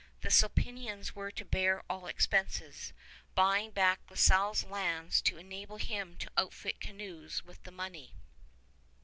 The Sulpicians were to bear all expenses, buying back La Salle's lands to enable him to outfit canoes with the money.